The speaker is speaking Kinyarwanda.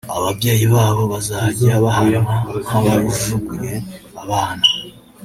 ababyeyi babo bazajya bahanwa nk’abajugunye abana